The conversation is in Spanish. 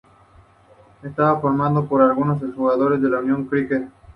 Estaba formado por algunos exjugadores del Unión Cricket.